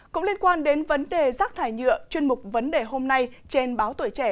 cũng liên quan đến vấn đề rác thải nhựa chuyên mục vấn đề hôm nay trên báo tuổi trẻ